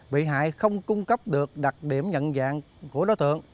bị hại không cung cấp được đặc điểm nhận dạng của đối tượng